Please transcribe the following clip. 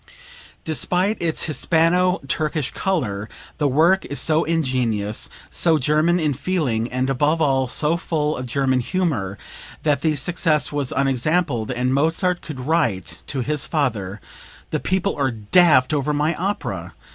Despite its Hispano Turkish color, the work is so ingenuous, so German in feeling, and above all so full of German humor that the success was unexampled, and Mozart could write to his father: "The people are daft over my opera."